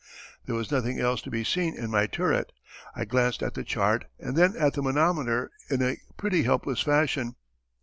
There was nothing else to be seen in my turret. I glanced at the chart and then at the manometer in a pretty helpless fashion.